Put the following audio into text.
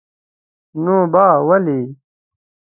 نو با ولي?